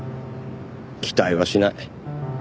期待はしない。